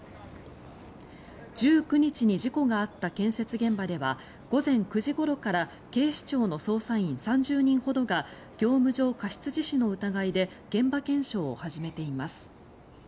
１９日に事故があった建設現場では午前９時ごろから警視庁の捜査員３０人ほどが業務上過失致死の疑いで現場検証を始めています。